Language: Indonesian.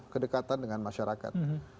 kedekatan dengan masyarakat